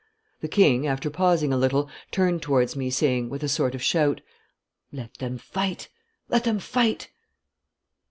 The king, after pausing a little, turned towards me, saying, with a sort of shout, 'Let them fight! let them fight!